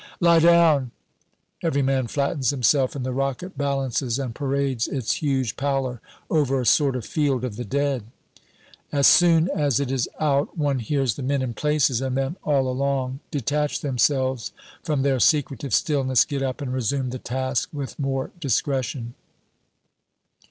"Lie down!" Every man flattens himself, and the rocket balances and parades its huge pallor over a sort of field of the dead. As soon as it is out one hears the men, in places and then all along, detach themselves from their secretive stillness, get up, and resume the task with more discretion.